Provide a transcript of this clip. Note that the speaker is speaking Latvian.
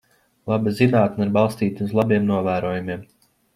Laba zinātne ir balstīta uz labiem novērojumiem.